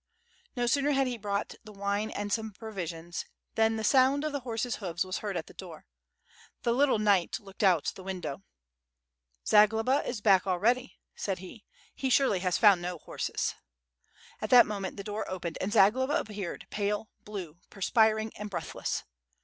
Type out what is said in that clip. No sooner had he brought the wine and some provisions, than the sound of horses' hoofs was heard at the door. The little knight looked out the window. "Zagloba is back already," said he, "he surely has found no horses." At that moment the door opened, and Zagloba appeared pale, blue, perspiring and breathless.